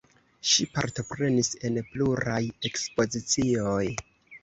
Ŝi partoprenis en pluraj ekspozicioj.